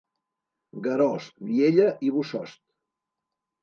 Garòs, Viella i Bossòst.